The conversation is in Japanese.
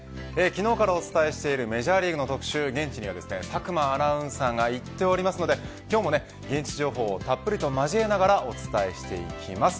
昨日からお伝えしているメジャーリーグの現地には佐久間アナウンサーが行っておりますので今日も現地情報をたっぷり交えてお伝えしていきます。